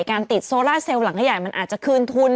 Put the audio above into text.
การติดโซล่าเซลล์หลังใหญ่มันอาจจะคืนทุน